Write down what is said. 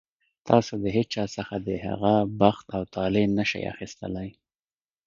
تاسو د هېچا څخه د هغه بخت او طالع نه شئ اخیستلی.